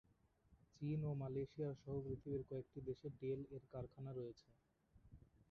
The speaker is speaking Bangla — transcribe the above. চীন ও মালয়েশিয়া সহ পৃথিবীর কয়েকটি দেশে ডেল-এর কারখানা রয়েছে।